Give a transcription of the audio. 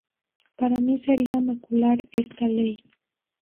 Para mí sería macular esta ley.